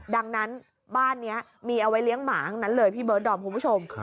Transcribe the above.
ดังนั้นบ้านนี้มีเอาไว้เลี้ยงหมาเลยพี่เบิร์นดอร์มพูดคุณผู้ชม